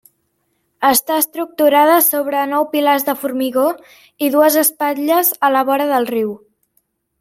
Està estructurada sobre nou pilars de formigó i dues espatlles a la vora del riu.